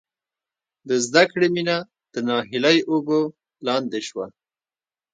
د زدکړې مینه د ناهیلۍ اوبو لاندې شوه